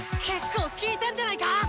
結構効いたんじゃないか？